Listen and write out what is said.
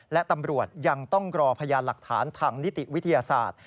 และตำรวจยังต้องรอพยานหลักฐานทางนิติวิทยาศาสตร์